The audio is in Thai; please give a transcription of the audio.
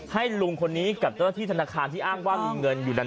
ให้ลุงคนนี้กับเจ้าหน้าที่ธนาคารที่อ้างว่ามีเงินอยู่นั้น